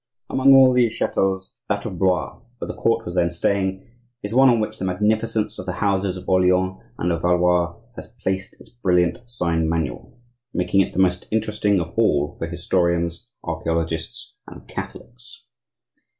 Among all these chateaus, that of Blois, where the court was then staying, is one on which the magnificence of the houses of Orleans and of Valois has placed its brilliant sign manual,—making it the most interesting of all for historians, archaeologists, and Catholics.